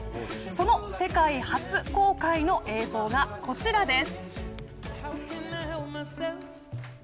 その世界初公開の映像がこちらです。